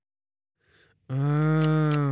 うん。